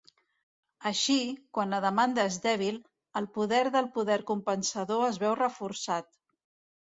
Així, quan la demanda és dèbil, el poder del poder compensador es veu reforçat.